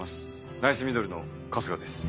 ナイスミドルの春日です。